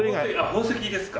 宝石ですか？